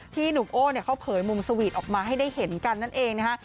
หนุ่มโอ้เขาเผยมุมสวีทออกมาให้ได้เห็นกันนั่นเองนะฮะ